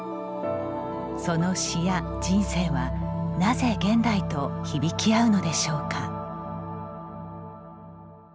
その詩や人生はなぜ現代と響き合うのでしょうか？